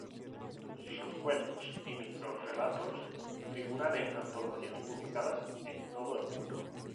Sus cuentos y microrrelatos figuran en antologías publicadas en todo el mundo.